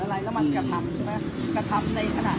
ตอนนี้กำหนังไปคุยของผู้สาวว่ามีคนละตบ